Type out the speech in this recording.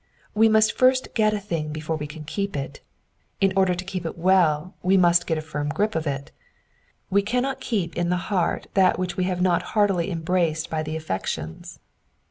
We must first get a thing before we can keep it. In order to keep it well we must get a firm grip of it : we cannot keep in the heart that which we have not heartily embraced by the affections.